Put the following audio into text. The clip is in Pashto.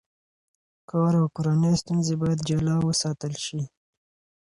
کار او کورنۍ ستونزې باید جلا وساتل شي.